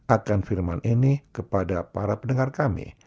akan firman ini kepada para pendengar kami